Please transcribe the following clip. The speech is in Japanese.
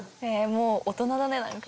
もう大人だねなんか。